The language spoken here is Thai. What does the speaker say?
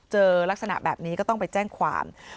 เจอลักษณะแบบนี้ก็ต้องไปแจ้งความ